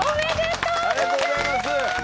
ありがとうございます。